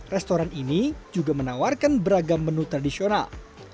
restoran ini juga menawarkan beragam menu tradisional